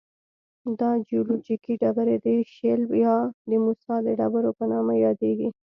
دا جیولوجیکي ډبرې د شیل یا د موسی د ډبرو په نامه یادیږي.